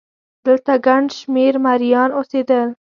دلته ګڼ شمېر مریان اوسېدل